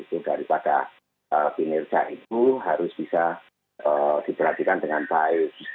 itu daripada kinerja itu harus bisa diperhatikan dengan baik